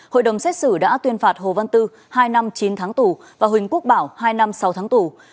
hội đồng xét xử đã tuyên phạt hồ văn tư hai năm chín tháng tù và huỳnh quốc bảo hai năm sáu tháng tù